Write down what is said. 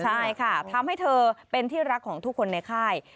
ใช่ค่ะทำให้เธอเป็นที่รักของทุกคนในค่าย